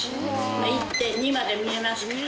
１．２まで見えますから。